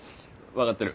分かってる。